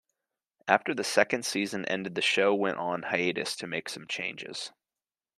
After the second season ended the show went on hiatus to make some changes.